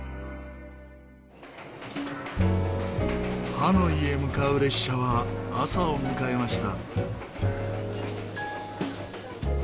ハノイへ向かう列車は朝を迎えました。